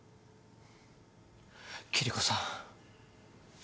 キリコさん。